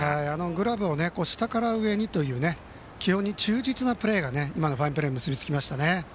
グラブを下から上にという基本に忠実なプレーがファインプレーに結びつきました。